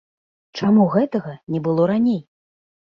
Чаму гэтага не было раней?